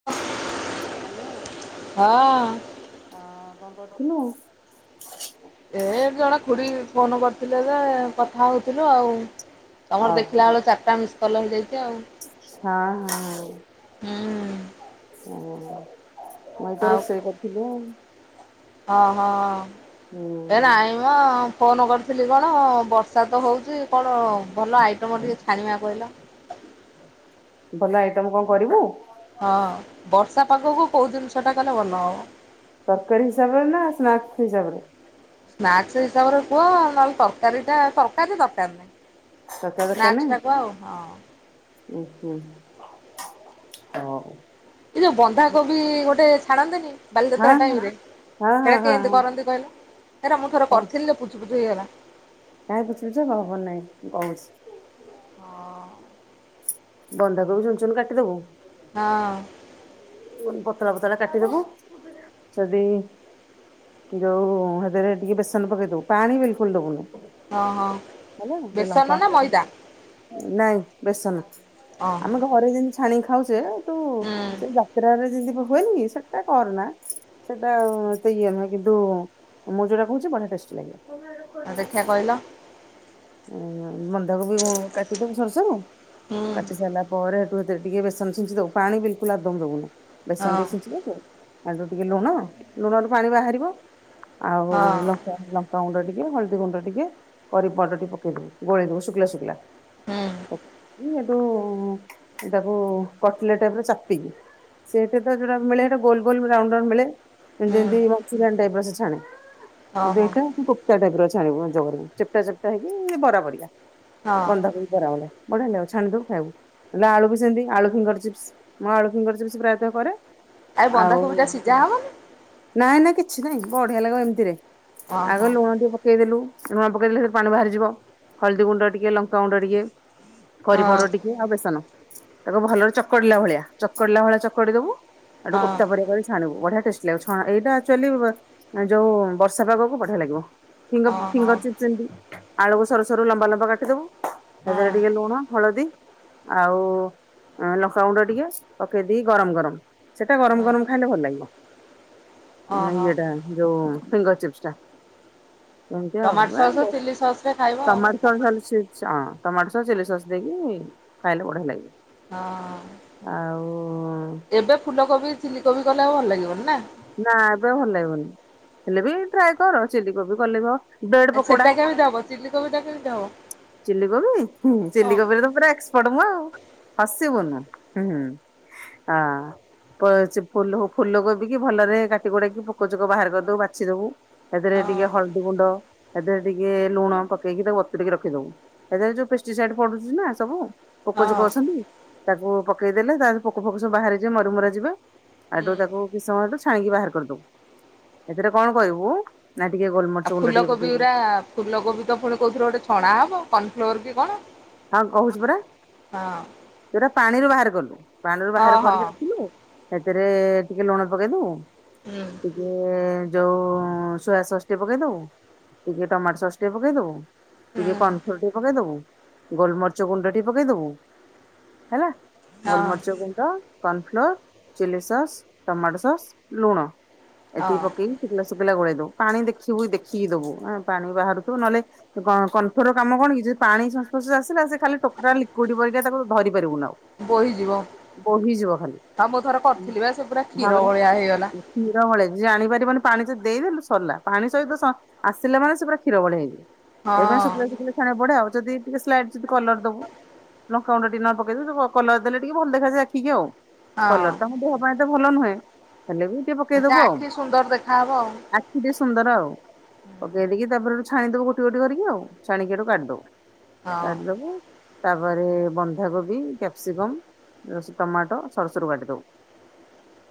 [unintelligible] Hello. ହଁ। ହଁ କଣ କରୁଥିଲୁ? ଏ ଜଣେ ଖୁଡ଼ି ଫୋନ କରିଥିଲେ ଯେ କଥା ହଉଥିଲୁ ଆଉ। ତମର ଦେଖିଲା ବେଳକୁ ଚାରିଟା ମିସ୍ କଲ୍ ହେଇଯାଇଛି ଆଉ। ହଁ ହଁ। ହୁଁ ମୁଇଁ ତ ଆଉ ରୋଷେଇ କରିଥିଲୁ। ହଁ ହଁ ହୁଁ ଏ ନାଇଁ ହଁ ଫୋନ କରିଥିଲି କଣ ବର୍ଷା ତ ହଉଛି କଣ ଭଲ ଆଇଟମ୍ ଟିକେ ଛାଣିବା କହିଲ? ଭଲ ଆଇଟମ କଣ କରିବୁ? ହଁ ବର୍ଷା ପାଗକୁ କୋଉ ଜିନିଷ ଟା କଲେ ଭଲ ହବ? ତରକାରୀ ହିସାବରେ ନା ସ୍ନାକ୍ ହିସାବରେ। ସ୍ନାକ୍ସ ହିସାବରେ କୁହ ନହେଲେ ତରକାରୀ ଟା ତରକାରୀ ରେ ଦରକାର ନାହିଁ। ସ୍ନାକ୍ସ ତରକାରି ଟା କୁହ ଆଉ ହଁ। ଦରକାର ନାଇ ଉଁ ହୁଁ ହଉ। ଏଇ ଯୋଉ ବନ୍ଧାକୋବି ଗୋଟେ ଛାଡନ୍ତିନି। ହଁ ବାଲିଯାତ୍ରା ଟାଇମ୍ରରେ ହଁ ହଁ ସେଇଟା ହଁ କେମିତି ହଁ କରନ୍ତି କହିଲା ହେରା ମୁଁ ଥରେ କରିଥିଲି ଯେ ପୁଚୁପୁଚୁ ହେଇଗଲା। କାଇଁ ପୁଚୁ‌ପୁଚୁ ହବ ହବ ନାହିଁ ମୁଁ କହୁଛି। ବନ୍ଧା କୋବି ଚୁନ‌ଚୁନ କାଟିଦବୁ। ହଁ। ଏ ଉଁ ପତଳା ପତଳା କାଟିଦବୁ ସେଠୁ। ଯୋଉ ସେଥେରେ ଟିକେ ବେସନ ପକେଇ ଦବୁ ପାଣି ବିଲକୁଲ ଦବୁନୁ। ହଁ ହଁ ହେଲା ଟିକେ ଲଙ୍କା ବେସନ ନା ମଇଦା। ନାଇଁ ବସନ ହଁ ହଁ ଆମେ ଘରେ ଯେମତି ଛାଣିକି ଖାଉଛେ ତୁ ହୁଁ ସେ ଯା ତ୍ରା ରେ ଯେଁତି ହୁଏନି ସେଟା କରନା ସେଟା ଏତେ ଇଏ ନୁହେଁ କିନ୍ତୁ। ମୁଁ ଯୋଉଟା କହୁଛି ବଢିଆ ଟେଷ୍ଟି ଲାଗିବ। ଆଉ ଦେଖିଆ କହିଲ ବ‌ନ୍ଧା କୋବି କାଟିଦବୁ ସରୁ ସରୁ ହୁଁ କାଟି ସାରିଲା। ପରେ ହେଠୁ ଏଥେରେ ଟିକେ ବେସନ ଛିଞ୍ଚି ଦବୁ ପାଣି ବିଲକୁଲ ଆଦୌ ଦବୁନୁ ହଁ ବେସନ ଟିକେ ଛିିଞ୍ଚି ଦବୁ। ଆଠୁ ଟିକେ ଲୁଣ ଲୁଣରୁ ପାଣି ବାହାରିବ ଆଉ ହଁ ଲ ଲଙ୍କା ଗୁଣ୍ଡ ଟିକେ ହଳଦୀ ଗୁଣ୍ଡ ଟିକେ କରି ପାଉଡର ଟିକେ ପକଇ ଦବୁ ଗୋଳେଇ ଦବୁ ଶୁଖିଲା ଶୁଖିଲା। ହୁଁ ପକେଇଲି ହେଠୁ ତାକୁ କଟଲେଟ୍ ଟାଇପ୍ ଚାପିବୁ। ସେଠେ ତ ଯୋଉ ଗୁଡା ମିଳେ ସେଇଟା ଗୋଲ ଗୋଲ ରାଉଣ୍ଡ ରାଉଣ୍ଡ ମିଳେ। ଏମତି ହୁଁ ଏମତି ମଞ୍ଚୁରୀୟାନ୍ ଟାଇପର ସେ ଛାଣେ ହଁ କିନ୍ତୁ ହଁ ହଁ। ଏଇଟା। କୋପତା ଟାଇପ୍ ର ଛାଣିବୁ ଯୋଉ କରିବୁ ଚେପଟା ଚେପଟା ହେଇକି ବରା ପରିକା ବନ୍ଧା କୋବି। ବରା ଭଳିଆ ବଢିଆ ଲାଗିବ ଛାଣି ଦବୁ ଖାଇବୁ ନହେଲେ ଆଳୁ କୁ ସେମିତି ଆଳୁ ଫିଙ୍ଗର ଚପ୍ସ୍ ମୁଁ ଆଳୁ ଫିଙ୍ଗର ଚିପସ ପ୍ରାୟ ତ କରେ। ଆଉ ଏ ବନ୍ଧା କୋବି ଟା ସିଝା ହବନି। ନାଇଁ ନାଇଁ କିଛି ନାଇଁ ବଢିଆ ଲାଗିବ ଏମିତିରେ ହଁ ହଁ ଆଗ ଲୁଣ ଟିକେ ପକେଇ ଦେଲୁ। ଲୁଣ ପକେଇଲେ ସେଥିରୁ ପାଣି ବାହାରିଯିବ ହଳଦୀ ଗୁଣ୍ଡ ଟିକେ ଲଙ୍କାଗୁଣ୍ଡ ଟିକେ କରି ହଁ ପାଉଡର ଟିକ୍ ଆଉ ବେସନ ତାକୁ ଭଲରେ ଚକଡିଲା ଭଳିଆ ଚକଡିଲା ଭଳିଆ ଚକଡି ଦବୁ। ସେଠୁ ହଁ କୋପ୍ତା ପରିକା କରି। ଛାଣିବୁ ବଢିଆ ଟେଷ୍ଟି ଲାଗିବ ଛଣା ଏଇଟା ଆକ୍ଚୁଆଲି ଏ ଯୋଉ ବର୍ଷା ପାଗକୁ ବଢିଆ ଲାଗିବ। ଫିଙ୍ଗ୍ ହଁ ହଁ ହଁ। ଫିଙ୍ଗର ଚିପ୍ସ୍ ଏମିତି ଆଳୁକୁ ସରୁ ସରୁ ଲମ୍ବା ଲମ୍ବା କାଟିଦବୁ। ତା ଦେହରେ ଟିକେ ହଁ ଲୁଣ ହଳଦୀ। ଆଉ ଲଙ୍କାଗୁଣ୍ଡ ଟିକେ ପକେଇ ଦେଇ ଗରମ ଗରମ। ସେଟା ଗରମ ଗରମ ଖାଇଲେ ଭଲ ଲାଗିବ ଆ ଓହୋ ଇଏଟା ଯୋଉ ଫିଙ୍ଗର ଚପ୍ସ ଟା। ଏମତି ଆଉ ଟମାଟୋ ଏ ସସ୍ ଦେ ଚିଲି ସସ୍ ରେ ଖାଇବ ଆଉ ଟମାଟୋ ସକ୍ସ୍‌ ଖାଲି। ସେ ହଁ ଟମାଟୋ ସସ୍ ଚିଲି ସସ୍ ଦେଇକି ଖାଇଲେ ବଢିଆ ଲାଗିବ। ହଁ। ଆଉ। ଏବେ ଫୁଲକୋବି ଚିଲି କୋବି କଲେ ଆଉ ଭଲ ଲାଗିବନି ନା। ନା ଏବେ ଆଉ ଭଲ ଲାଗିବନି ହେଲେ ବି ଟ୍ରାଏ କର ଚିଲ କୋବି କଲେ ବ। ଆ ସେଟା କେମିତି ହବ ଚିଲ କୋବି ଟା କେମିତି ହବ। ଚିଲି କୋବି ହୁଁ ହଁ ଚିଲି କୋବିରେ ତ ଏକ୍ସ ପଟ୍ ମୁଁ ଆଉ ହସିବୁନୁ ହୁଁ। ଆଁ ପ ସେ ଫୁଲ ଫୁଲକୁ କୋବି କି ଭଲରେ କାଟି କୁଟାକି ପୋକ ଯୋକ ବାହାର କରିଦବୁ ବାଛି ଦବୁ ଏଥିରେ ହଁ ହଁ ଟିକେ ହଳଦୀ। ଦି ଗୁଣ୍ଡ ହେଥେରେ ଟିକେ ଲୁଣ ପକେଇକି ତାକୁ ବତୁରେଇ କି ରଖିଦବୁ। ହେଥେରେ ଯୋଉ ପେଷ୍ଟିସାଇଡ ପଡୁଛି ନା ସବୁ। ପୋକ ଯୋକ ଅଛନ୍ତି ତାକୁ ପକେଇଦେଲେ ତାରେ ପୋକ ଫୋକ ସବୁ ବାହାରିଯିବେ ମରି ମୁରା ଯିବେ। ହୁଁ। ହେଠୁ ତାକୁ କିଛି ସମୟ ହେଠୁ ଛାଣିକି ବାହାର କରିଦବୁ ହେଥିରେ କଣ କହିବୁ ନାହିଁ ଟିକେ ଆଉ ଗୋଲମରିଚ ଗୁଣ୍ଡ ଟିକେ ଫୁଲକୋବି ପକେଇଦେ। ଗୁରା ଫୁଲକୋବି ତ ପୁଣି କହୁଥିରେ ଗୋଟେ ଛଣା ହେବ କର୍ଣ୍ଣଫ୍ଲୋର କି କଣ? ହଁ କହୁଛିୁ ପରା ହଁ ହେରା ପାଣିରୁ ବାହାର କଲୁ ପାଣିରୁ ହଁ ବାହାର ହଁ କରିକି ରଖିଲୁ ହେଥେରେ ଟିକେ ଲୁଣ ପକେଇଦଉ ହୁଁ। ଟିକେ ଯୋଉ ସୋୟା ସସ୍ ଟିକେ ପକେଇଦବୁ ଟିକେ ଟମାଟୋ ସସ୍ ଟିକେ ପକେଇଦବୁ। ହୁଁ ଟିକେ କର୍ନ୍ ପ୍ଲୋର୍ ଟିକେ ପକେଇଦବୁ ଗୋଲମରିଚ ଗୁଣ୍ଡ ଟିକେ ପକେଇଦବୁ ହେଲା ଗୋଲ୍ ହଁ ମରିଚ ଗୁଣ୍ଡ cornflour chilli sauce tomato sauce ଲୁଣ ଏତିକି ହଁ ପକେଇ ଶୁଖିଲା ଗୋଳେଇ ଦବୁ ପାଣି ଦେଖିବୁ ଦେଖିକି ଦବୁ ପାଣି ବାହାରୁଥିବ ନହେଲେ କ କର୍ନ ଫ୍ଲୋର୍ କାମ କଣକି ଯଦି ପାଣି ସଂସ୍ପର୍ଶରେ ଆସିଲା ସେ ଖାଲି ଟୋଟାଲି ଲିକ୍ୟୁଇଡ ପରିକା ତାକୁ ଧରି ପାରିବୁନୁ ଆଉ ବୋହିଯିବ। ବୋହିଯିବ ଖାଲି ହଁ ମୁଁ ଥରେ କରିଥିଲି ବା ସେ ପୁରା କ୍ଷୀର ଭାବରେ ଭଳିଆ ହେଇଗଲା କ୍ଷୀର ଭଳିଆ ଜାଣିପାରିବନି ପାଣି ଯଦି ଦେଇଦେଲୁ ସରିଲା ପାଣି ସହିତ ସ ଆସିଲେ ମାନେ ସେ ପୁରା କ୍ଷୀରଭଳିଆ ହେଇଯିବ। ହଁ ଏଇ ପାଇଁ ଶୁଖିଲା ଶୁଖୁଲା ଛାଣି ଆକୁ ପଡେ ଆଉ ଯଦି ଟିକେ ସ୍ଲାଇଡ ଯଦି କଲର ଦବୁ। ଲଙ୍କା ଗୁଣ୍ଡ ଟିକେ ନାଙ୍କୁ ପକେଇଦେଲୁ କଲର ଦେଲେ ଟିକେ ଭଲ ଦେଖା ଯାଏ ଆଖିକି ଆଉ କଲର ଟା ହଁ। ମଧ୍ୟ ଦେହ ପାଇଁ ତ ଭଲ ନୁହେଁ ହେଲେ ବି ଟିକେ ସେ ପକେଇଦବୁ ଆଉ ଆଖି ସୁନ୍ଦର ଦେଖାହବ ଆଉ ଆ ଟିକେ ସୁନ୍ଦର ଆଉ ପକେଇ ଦେଇକି ତାପରେ ହେଠୁ ଛାଣିଦବୁ ଗୋଟି ଗୋଟି କରିକି ଆଉ ଛାଣିକି ହେଠୁ କାଢିଦବୁ। ହଁ କାଢି ଦବୁ ତାପରେ ବନ୍ଧାକୋବି କ୍ୟାପସିକମ ଏ ସେ ଟମାଟୋ ସରୁସରୁ କାଟିଦବୁ।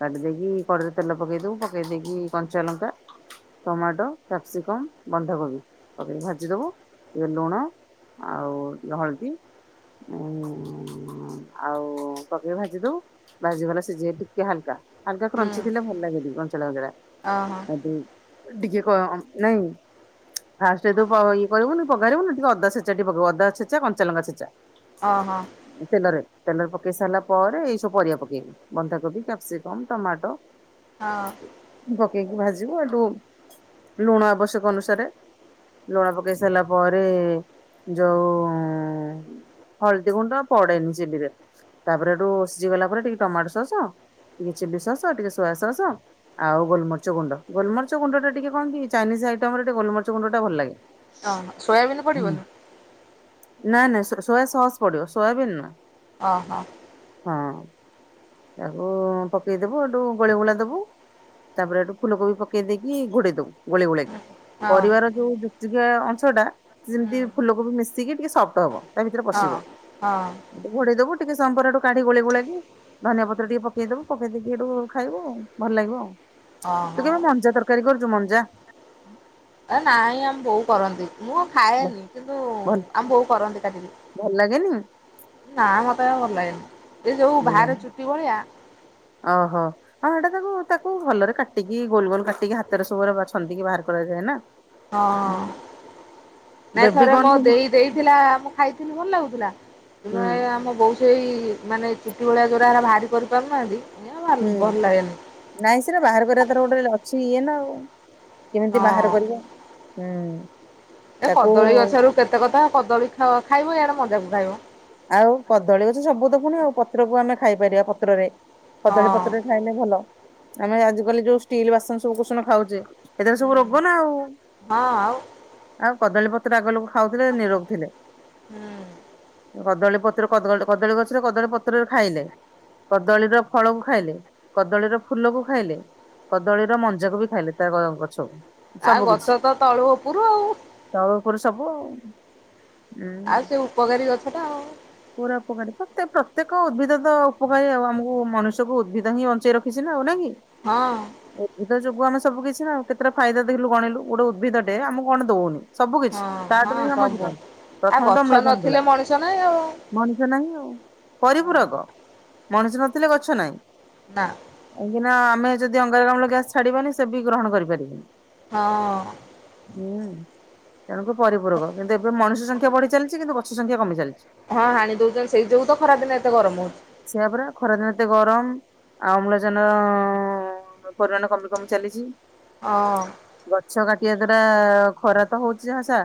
କାଟି ଦେଇକି କଡେଇରେ ତେଲ ପକେଇ ଦବୁ ପକେଇ ଦେଇକି କଞ୍ଚା ଲଙ୍କା ଟମାଟୋ କ୍ୟାପସିକମ ବନ୍ଧାକୋବି ପକେଇକୀ ଭାଜିଦବୁ ଟିକେ ଲୁଣ ଆଉ ଟିକେ ହଳଦୀ ଉ ଆଉ ପକେଇ ଭାଜି ଦବୁ। ଭାଜିଗଲା ସିଝୀ ଟିକେ ହାଲକା ହାଲକା ହୁଁ କ୍ରଞ୍ଚି ଥିଲେ ଭଲ ଲାଗେ ଟିକେ କଞ୍ଚାଳିଆ କଞ୍ଚାଳିଆ ଓହୋ। ଆବେ ଡିଗିଏ କ ନାଇଁ ଫାଷ୍ଟ ତୁ ପ ଇଏ କରିବୁନି ପଘାରିବୁନି ଟିକେ ଅଦା ଛେଚା ଟିକେ ପକେଇବୁ ଅଦାଛେଚା କଞ୍ଚାଲଙ୍କା ଛେଚା। ଅ ହ। ତେଲରେ ତେଲରେ ପକେଇ ସାରିଲା ପରେ ଏଇ ସବୁ ପରିବା ପକେଇବୁ। ବନ୍ଧାକୋବି କ୍ୟାପସିକମ ଟମାଟୋ ହଁ ପକେଇକି ଭାଜିବୁ ହେଠୁ ଲୁଣ ଆବଶ୍ୟକ ଅନୁସାରେ ଲୁଣ ପକେଇ ସାରିଲା ପରେ ଯଉ ହଳଦୀ ଗୁଣ୍ଡ ପଡେନି ସେ ଚିଲିରେ। ତାପରେ ହେଠୁ ଷିଝି ଗଲା ପରେ ଟିକେ ଟମାଟୋ ସସ ଟିକେ ଚିଲି ସସ ଟିକେ ସୋୟା ସସ ଆଉ ଗୋଲମର୍ଚ ଗୁଣ୍ଡ ଗୋଲମର୍ଚ ଗୁଣ୍ଡ ଟା ଟିକେ କଣ କି ଚାଇନିଜ ଆଇଟମ ଟିକେ ଗୋଲମରିଚଗୁଣ୍ଡ ଟା ଭଲ ଲାଗେ। ହଁ ସୋୟାବିନ ପଡିବନି। ନାଁ ନାଁ ସୋ ସୋୟା ସସ୍ ପଡିବ ସୋୟାବିନ୍ ନୁହଁ। ଓ ହୋ। ହଁ ତାକୁ ପକେଇଦବୁ ହେଠୁ ଗୋଳେଇ ଗୋଳା ଦବୁ। ତାପରେ ହେଠୁ ଫୁଲକୋବି ପକେଇ ଦେଇକି ଘୋଡେଇ ଦବୁ ଗୋଳେଇ ଗୋଳାକି ହଁ ପରିବାର ଯୋଉ ଯୁକଜୁକିଆ ଅଂଶଟା ସେ ଯେମିତି ହଁ ଫୁଲ କୋବି ମିଶିକି ଟିକେ ସଫ୍ଟ ହବ। ତା ଭିତରେ ପଶିବ ହଁ ହେଠୁ ଘଡେ଼ଇ ଦବୁ ଟିକେ ସମପରଠୁ କାଢି ଗୋଳି ଗୋଳାକି ଧନିଆ ପତ୍ର ଟିକେ ପକେଇଦବୁ ପକେଇ ଦେଇକି ହେଠୁ ଖାଇବୁ ଭଲ ଲାଗିବ ଆଉ। ହଁ ତୁ ହଁ। କେବେ ମଞ୍ଜା ତରକାରୀ କରିଚୁ ମଞ୍ଜା? ଆ ନାଇଁ ଆମ ବୋଉ କରନ୍ତି ମୁଁ ଆଉ ଭ- ଖାଏନି କିନ୍ତୁ ଭଲ ଆମ ବୋଉ କରନ୍ତି କାଟିକି। ଭଲ ଲାଗେନି? ନା ମତେ ଏରା ଭଲ ଲାଗେନି ଏଯୋଉ ଭଲ ବାହାରେ ଲାଗେନି? ଚୁଟି ଭଳିଆ ଓହୋ। ହଁ ହେଟା ତାକୁ ତାକୁ ଭଲରେ କାଟିକି ଗୋଲ ଗୋଲ କାଟିକି ହାତରେ ସବୁରା ଏରାକ ଛନ୍ଦିକି ବାହାର କରାଯାଏନା। ହଁ ନାଇଁ ବେବି ଥରେ ମୋ କର୍ନ ଦେଇ ଦେଇଥିଲା ଆମକୁ ଖାଇଥିଲି ଭଲ ଲାଗୁଥିଲା ହୁଁ ହେଲେ ଏଆମ ବୋଉ ସେଇ ମାନେ ଚୁଟି ଭଳିଆ ଯୋଉରା ହେରା ବାହାରି କରିପାରୁନାହାନ୍ତି ହେ ହୁଁ ଭଲ ଲାଗେନି। ନାଇଁ ସେରା ବାହାର କରିବା ତାର ଗୋଟେ ଅଛି ଇଏନା ଆଉ କେମିତି ବାହାର ହଁ କରିବା। ହୁଁ। ଏ ତାକୁ କଦଳୀ ଗଛରୁ କେତେ କତା କଦଳୀ ଖାଅ ଖାଇବ ଇଆଡ଼େ ମଞ୍ଜାକୁ ଖାଇବ। ଆଉ କଦଳୀ ଗଛ ସବୁତକ ପୁଣି ଆଉ ପତ୍ରକୁ ଆମେ ଖାଇପାରିବା ପତ୍ରରେ ହଁ କଦଳୀ ପତ୍ରରେ ଖାଇଲେ ଭଲ ଆମେ ଆଜିକାଲି ଯୋଉ ଷ୍ଟିଲ୍ ବାସନ ସବୁ କୁସନ ଖାଉଚେ ଏଥିରେ ସବୁ ରୋଗନା ଆଉ ହଁ ଆଉ ଆଉ କଦଳୀପତ୍ର ଆଗ ଲୋକ ଖାଉଥିଲେ ନିରୋଗ ଥିଲେ। ହୁଁ। କଦଳୀ ପତ୍ର କଦଳ କଦଳୀ ଗଛରେ କଦଳୀ ପତ୍ରରେ ଖାଇଲେ। କଦଳୀର ଫଳକୁ ଖାଇଲେ କଦଳୀର ଫୁଲକୁ ଖାଇଲେ କଦଳୀର ମଞ୍ଜାକୁବି ଖାଇଲେ ତା ଗ ଗଛ। ଆ ଗଛତ ତଳୁ ଉପରୁ ଆଉ। ତଳୁ ଉପରୁ ସବୁ ଆଉ। ହୁଁ ଆଉ ସେ ଉପକାରୀ ଗଛଟା ଆଉ। ପୁରା ଉପକାରୀ ପ୍ରତ ପ୍ରତ୍ୟେକ ଉଦ୍ଭିଦତ ଉପକାରୀ ଆଉ ଆମକୁ ମନୁଷ୍ୟକୁଉଦ୍ଭିଦ ହିଁ ବଞ୍ଚେଇ ରଖିଚିନା ଆଉ ନାଇଁକି। ହଁ। ଉଦ୍ଭିଦ ଯୋଗୁ ଆମେ ସବୁ କିଛିନା କେତେଟା ଫାଇଦା ଦେଖିଲୁ ଗଣିଲୁ ଗୋଟେ ଉଦ୍ଭିଟେ ଆମେ କଣ ଦଉନି? ସବୁ କିଛି ହଁ ହଁ ତାଠାରୁହିଁ ଆମ ସବୁ ଜୀବନ ଆଉ ପ୍ରଥମତ ଗଛ ଅମ୍ଳଜାନ ନଥିଲେ ଦେଲା। ମଣିଷ ନାଇଁ ଆଉ। ମଣିଷ ନାହିଁ ଆଉ ପରିପୂରକ ମଣିଷ ନଥିଲେ ଗଛ ନାଇଁ। ନାଁ। କାହିଁକିନା ଆମେ ଯଦି ଅଙ୍ଗାରକାମ୍ଳ ଗ୍ୟାସ୍ ଛାଡ଼ିବାନି ସେବି ଗ୍ରହଣ କରିପାରିବେନି। ହଁ। ହୁଁ ତେଣୁକୁ ପରିପୂରକ କିନ୍ତୁ ଏବେ ମଣିଷ ସଂଖ୍ୟା ବଢ଼ି ଚାଲିଚି କିନ୍ତୁ ଗ‌ ଗଛ ସଂଖ୍ୟା କମି ଚାଲିଚି। ହଁ ହାଣି ଦଉଚନ୍ତି ସେଇ ଯୋଗୁଁତ ଖରାଦିନେ ଏତେ ଗରମ ହଉଚି। ସେଇଆ ପରା ଖରାଦିନେ ଏତେ ଗରମ୍ ଆଉ ଅମ୍ଳଜାନ କରୋନା କମି କମି ଚାଲିଚି। ଅଁ ଗଛ କାଟିବା ଦ୍ଵାରା ଖରାତ ହଉଚି ଯାହା ଯାହା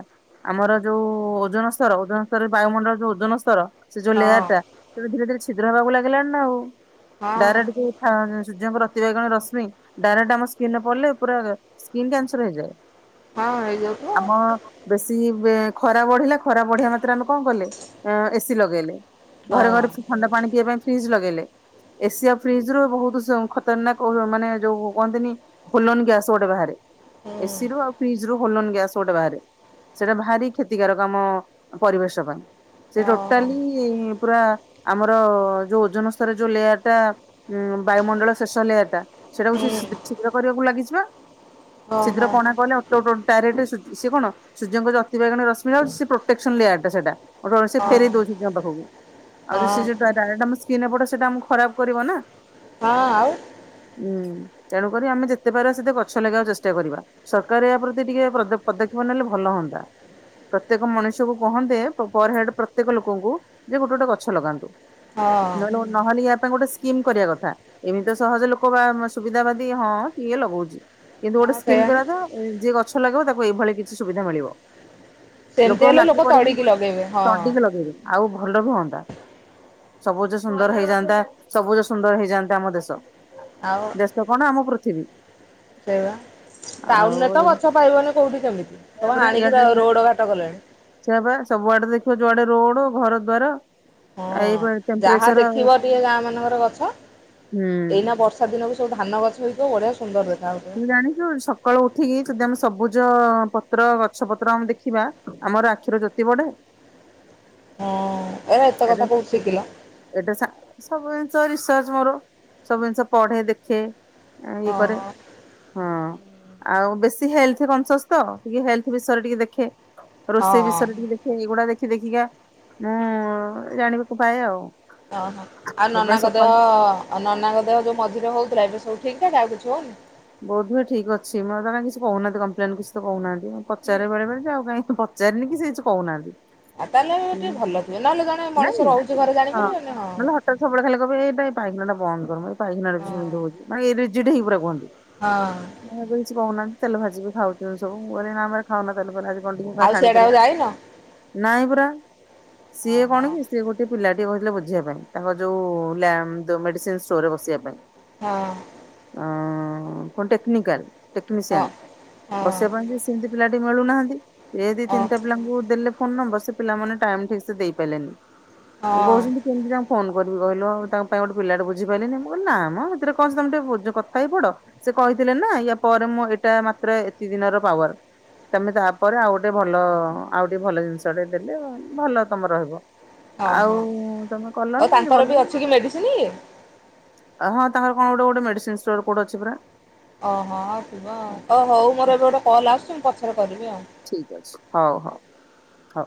ଆମର ଯୋଉ ଓଜନ ସ୍ତର ଓଜନ ସ୍ତର ବାୟୁମଣ୍ଡଳ ଯୋଉ ଓଜନସ୍ତର ସେଯୋଉ ହଁ ହଁ ଲେୟାରଟା ତେବେ ଧୀରେ ଧୀରେ ଛିଦ୍ର ହେବାକୁ ଲାଗିଲାଣିନା ଆଉ ହଁ ଡାଇରେକ୍ଟ ଯୋଉ ହାଁ ଯୋଉ ସୂର୍ଯ୍ୟଙ୍କ ରତିିବାଇଗଣ ରଶ୍ମି ଡାଇରେକ୍ଟ ଆମ ସ୍କିନରେ ପଡ଼ିଲେ ପୁରା ସ୍କିନ୍ କ୍ୟାନ୍ସର ହେଇଯାଏ। ହଁ ହେଇଯାଉଥିବ ଆମ ବେଶୀ ଵ୍ଵି ଖରା ବଢିଲେ ଖରା ବଢ଼ିଆ ମାତ୍ରେ ଆମେ କଣ କଲେ? ଏସିି ଲଗେଇଲେ ଘରେ ଆଉ। ଘରେ ସବୁ ଥଣ୍ଡା ପାଣି ପିଇବା ପାଇଁ ଫ୍ରିଜ୍‌ ଲଗେଇଲେ। ଏସି ଆଉ ଫ୍ରିଜରୁ ବୋହୁତ ସବୁ ଖତରନାକ ଓର ମାନେ ଯୋଉ କହନ୍ତିନି ହୁଲନ୍ ଗ୍ୟାସ୍ ଗୋଟେ ବାହାରେ। ହୁଁ। ଏ ସିରୁ ଆଉ ଫ୍ରିଜରୁ ହୋଲନ ଗ୍ୟାସ୍ ଗୋଟେ ବାହାରେ। ସେଟା ଭାରି କ୍ଷତିକାରକ ଆମ ପରିବେଶ ପାଇଁ ସେ ହଁ ହଁ ଟୋଟାଲି ପୁରା ଆମର ଯୋଉ ଓଜନ ସ୍ତର ଯୋଉ ଲେୟରଟା ଉଁ ବାୟୁମଣ୍ଡଳ ଶେଷ ଲେୟରଟା। ସେଡାକୁ ହୁଁ ସେ ଶୀଦ୍‌ ଶୀଘ୍ର କରିବାକୁ ଲାଗିଚିବା ହଁ ହଁ ହଁ ଶୀଘ୍ର ହଁ କଣା କଲେ ଅ ତ ଟୋ ଡାଇରେକ୍ଟ ସୂ ସେ କଣ ସୂଯ୍ୟଙ୍କ ଯୋଉ ଅତିିବାଇଗଣ ରଶ୍ମି ଆଉଚି ସେ ପ୍ରୋଟେକ୍ସନ ଲେୟାରଟା ସେଇଟା। ଗୋଟେ କ ସେ ଫେରେଇ ଦୋଉଚି ସୂଯ୍ୟଙ୍କ ପାଖକୁ ଆଉ ହଁ ଯୋଉ ସିଏ ଯୋଉ ଡାର୍ ଡାଇରେକ୍ଟ ଆମ ସ୍କିନରେ ପଡ଼େ ସେଟା ଆମକୁ ଖରାପ କରିବ ନା ହଁ ଆଉ। ଉଁ ତେଣୁକରି ଆମେ ଯେତେ ପାରିବା ସେତେ ଗଛ ଲଗେଇଆକୁ ଚେଷ୍ଟା କରିବା। ସରକାର ଏହା ପ୍ରତି ଟିକେ ପ୍ରଦ ପଦକ୍ଷେପ ନେଲେ ଭଲ ହୁଅନ୍ତା ପ୍ରତ୍ୟେକ ମଣିଷକୁ କହନ୍ତେ ପ ପର ହେଡ ପ୍ରତ୍ୟେକ ଲୋକଙ୍କୁ ଯେ ଗୋଟେ ଗୋଟେ ଗଛ ଲଗାନ୍ତୁ ହଁ ନହେନେ ଗୋ ନହେନେ ୟା ପାଇଁ ଗୋଟେ ସ୍କିମ୍ କରିଆ କଥା। ଏମିତି ସହଜ ଲୋକ ବା ସୁବିଧା ବାଦୀ ହଁ କିଏ ଲଗୋଉଚି। କିନ୍ତୁ ଗୋଟେ ହଁ ସ୍କିମ୍ ସେଇଆ କରିବା କଥା ଯିଏ ଗଛ ଲଗେଇବ ତାକୁ ଏଇଭଳି କିଛି ସୁବିଧା ମିଳିବ। ସେମତି ହେଲେ ଲାଗି ଲୋକ ପଡିକି ତଡିକି ଲଗେଇବେ ହଁ। ତଡିକି ଲଗେଇବେ ଆଉ ଭଲ ରୁହନ୍ତା। ସବୁଜ ସୁନ୍ଦର ହେଇଯାଆନ୍ତା ସବୁଜ ସୁନ୍ଦର ହେଇଯାଆନ୍ତା ଆମ ଦେଶ। ଆଉ ତ କଣ ଆମ ପୃଥିବୀ। ସେଇପା ଆଉ ଟାଉନରେ ତ ଗଛ ପାଇବନି କୋଉଠି କେମିତି ସବୁ ହାଣିକି ର ରୋଡ଼ ଘାଟ କଲେଣି। ସେଇପା ସବୁଆଡେ ଦେଖିବ ଯୁଆଡ଼େ ରୋଡ଼ ଘରଦ୍ୱାର ହଁ ଆ ଏଇପା ଯାହା ଦେଖିବ ଟିକେ ଗାଁ ମାନଙ୍କରେ ଗଛ ହୁଁ। ଏଇନା ବର୍ଷ ର୍ଷାଦିନକୁ ସବୁ ଧାନ ଗଛ ହେଇଥିବ ବଢ଼ିଆ ସ୍ ସୁନ୍ଦର ଦେଖାହୋଉ ତୁ ଜାଣିଚୁ ସ ସକାଳୁ ଉଠିକି ଯଦି ଆମେ ସବୁଜ ପତ୍ର ଗଛ ପତ୍ର ଆମେ ଦେଖିବା ଆମର ଆଖିର ଜୋତି ବଢ଼େ। ହଁ ଆରେ ଏତେ ଏଟା କଥା କୋଉଠୁ ଶିଖିଲ? ଏଟା ସା ସବୁ ଜିନିଷ ରିସର୍ଚ ମୋର ସବୁ ଜିନିଷ ପଢ଼େ ଦେଖେ। ଆ ଇଏ ହଁ କରେ। ହଁ ଆଉ ବେଶୀ ହେଲଥ୍ କନ୍ସସ୍ ତ ଟିକେ ହେଲଥ ବିଷୟରେ ଟିକେ ଦେଖେ। ହଁ। ରୋଷେଇ ବିଷୟରେ ଟିକେ ଦେଖେ ଏଗୁଡ଼ା ଦେଖି ଦେଖିକା ମୁଁ ଜାଣିବାକୁ ପାଏ ଆଉ। ହଁ ହଁ ଆଉ ସେଥିପାଇଁ ନନାଙ୍କ ଦେହ ସକାଳୁ ଆଉ ନନାଙ୍କ ଦେହ ଯୋଉ ମଝିରେ ହୋଉଥୁଲା ଏବେ ସବୁ ଠିକଠାକ ଆଉ କିଛି ହୋଉନି। ବୋଧୁଏ ଠିକ ଅଛି ମତେ ତ କାଇଁ କିଛି କୋହୁନାହାନ୍ତି କଂପ୍ଲେନ୍ କିଛି ତ କହୁନାହାନ୍ତି ମୁଁ ପଚାରେ ବେଳେବେଳେ ଯେ ଆଉ କାଇଁ ପ ପଚାରିନି କି ସେ କିଛି କୋହୁନାହାନ୍ତି। ଆଉ ତାହେଲେ ଟିକେ ଭଲ ଥିବେ ନହେଲେ ଜଣେ ମଣିଷ ରହୁଚି ଘରେ ଜାଣିପାରିବନି ହଁ। ତାର ସବୁବେଳେ ଖାଲି କହିବେ ଏଇ ଏ ପାଇଖାନା ବନ୍ଦ କରମ ଏଇ ପାଇଖାନାରୁ ହଁ ଗନ୍ଧଉଚି ମାନେ ରିଜିଡି ହେଇ ପୁରା କୁହନ୍ତି। ହଁ। ନାଇଁ ଏବେ କିଛି କୋହୁନାହାନ୍ତି ତେଲ ଭାଜି ବି ଖାଉଚନ୍ତି ସବୁ ମୁଁ କହିଲି ନା ଆମେ ଖାଉନା ତେଲ ଫେଲ ଆଜି କଣ ଟିକେ କଁ ଆଉ ସିଆଡେ ଆଉ ଛାଣିଥିଲା ଯାଇନ ନାଇଁ ପରା ସିଏ ଓହୋ କଣ କି ସ୍ ସିଏ ଗୋଟେ ପିଲାଟିିଏ କହିଥିଲେ ବୁଝିବା ପାଇଁ ତାଙ୍କର ଯୋଉ ଲ୍ୟାମ ଦ ମେଡିସିନ ଷ୍ଟୋରରେ ବସିବା ପାଇଁ। ହଁ। ଟେକ୍ନିକାଲ ହଁ ଟେକ୍ନିଶିଆନ୍ ହଁ ବସିବା ପାଇଁ ବି ସେମତି ପିଲାଟେ ମିଳୁନାହାନ୍ତି। ଇଏ ଦି ଓ ତିନିଟା ପିଲାଙ୍କୁ ଦେଲେ ଫୋନ୍ ନମ୍ବର ସେ ପିଲାମାନେ ଟାଇମ୍ ଠିକ୍ ସେ ଦେଇ ପାରିଲେନେହିଁ। ହଁ ଇଏ କହୁଛନ୍ତି। ହଁ କେମିତି ତାଙ୍କୁ ଫୋନ୍ କରିବି କହିଲ ତମେ ତ ଗୋଟେ ପିଲାଟେ ବୁଝି ପାରିଲିନି ମୁଁ କହିଲି ନା ମ ସେଥିରେ କଣ ଅଛି ତମେ ଟିକେ କଥା ହେଇ ପଡ଼। ସେ କହିଥିଲେ ନା ୟା ପରେ ମୁଁ ଏଟା ମାତ୍ର ଏତିିକି ଦିନର ପାୱାର। ତମେ ତାପରେ ଆଉ ଗୋଟେ ଭଲ ଆଉ ଗୋଟେ ଭଲ ଜିନିଷଟେ ଦେଲେ ଭଲ ତମର ହବ। ଆଉ ହଁ। ତମେ ଆଉ କଲନି ତାଙ୍କର ବି ଗଲନି। ଅଛି କି ମେଡିସିନ? ହଁ ତମର କଣ ଗୋଟେ ଗୋଟେ ମେଡିସିନ୍ ଷ୍ଟୋର କୋଉଠି ଅଛି ପରା? ଓହୋ ଥିବ ଆଉ ଓ ହଉ ମୋର ଏବେ ଗୋଟେ କଲ୍ ଆସୁଛି ମୁଁ ପଛରେ କରିବି ଆଉ। ଠିକ୍ ଅଛି ହଉ ହଉ। ହଉ।